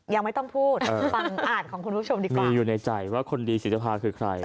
ยังไม่ต้องพูดฟังอ่านของคุณผู้ชมดีกว่ามีอยู่ในใจว่าคนดีศรีทภาคือใคร